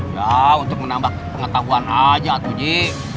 ya untuk menambah pengetahuan aja atau ji